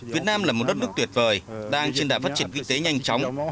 việt nam là một đất nước tuyệt vời đang chiên đả phát triển kinh tế nhanh chóng